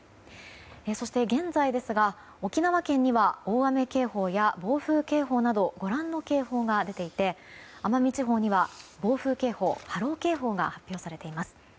そして、現在ですが沖縄県には大雨警報や暴風警報などご覧の警報が出ていて奄美地方には暴風警報波浪警報が発表されています。